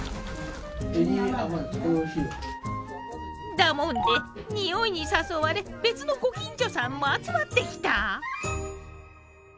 だもんで匂いに誘われ別のご近所さんも集まってきた。